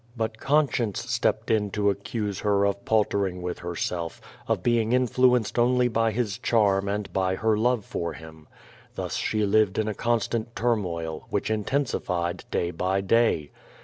But conscience stepped in to accuse her of paltering with herself, of being influenced only by his charm and by her love for him. Thus she lived in a constant tur moil, which intensified day by day.